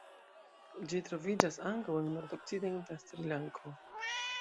Ĝi troviĝas ankaŭ en nordokcidenta Sri-Lanko.